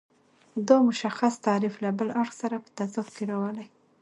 دا متشخص تعریف له بل اړخ سره په تضاد کې راولي.